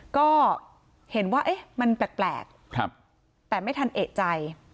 ก็เห็นว่าเอ๊ะมันแปลกแต่ไม่ทันเอกใจ